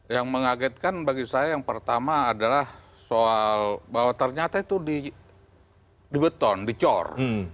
yang mengagetkan bagi saya yang pertama adalah soal bahwa ternyata itu di beton dicor